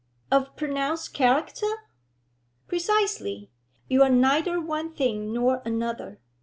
'Of pronounced character?' 'Precisely. You are neither one thing nor another.